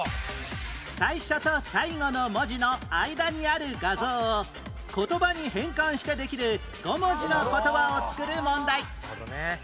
最初と最後の文字の間にある画像を言葉に変換してできる５文字の言葉を作る問題